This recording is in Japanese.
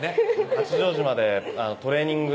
八丈島でトレーニング